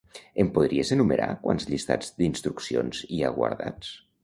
Em podries enumerar quants llistats d'instruccions hi ha guardats?